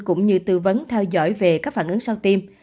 cũng như tư vấn theo dõi về các phản ứng sau tim